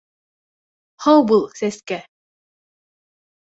Һау бул, Сәскә!